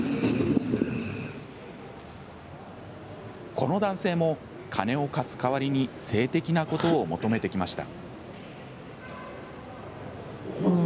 この男性も、金を貸す代わりに性的なことを求めてきました。